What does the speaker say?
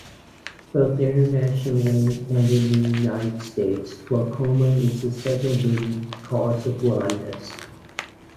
Both internationally and in the United States glaucoma is the second-leading cause of blindness.